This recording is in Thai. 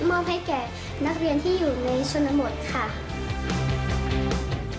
มอบให้แก่นักเรียนที่อยู่ในชนบทค่ะ